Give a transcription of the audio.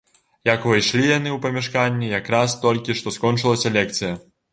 Як увайшлі яны ў памяшканне, якраз толькі што скончылася лекцыя.